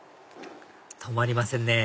止まりませんね